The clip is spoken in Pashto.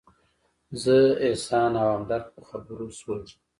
زه، احسان او همدرد په خبرو شولو.